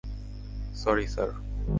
Sorry, sir!